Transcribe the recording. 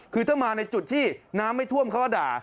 คือถ้ามาในจุดที่น้ำไม่ท่วมเขาก็ด่า